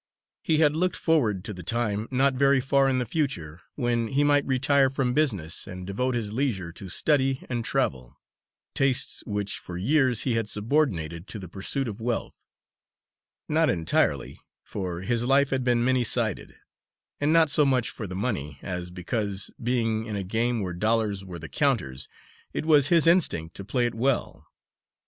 He had looked forward to the time, not very far in the future, when he might retire from business and devote his leisure to study and travel, tastes which for years he had subordinated to the pursuit of wealth; not entirely, for his life had been many sided; and not so much for the money, as because, being in a game where dollars were the counters, it was his instinct to play it well.